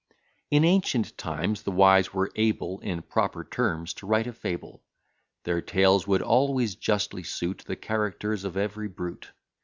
1730 In ancient times, the wise were able In proper terms to write a fable: Their tales would always justly suit The characters of every brute.